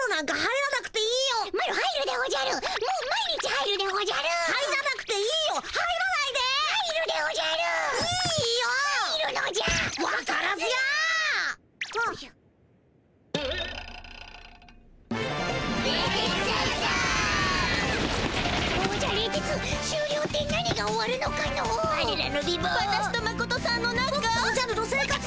ぼくとおじゃるの生活？